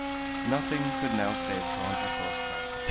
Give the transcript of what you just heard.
Nothing could now save Joam Dacosta.